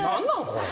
これ。